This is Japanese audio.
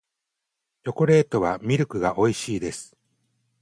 チョコレートはミルクが美味しいです